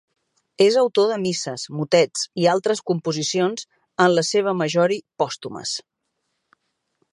És autor de misses, motets i altres composicions, en la seva majori pòstumes.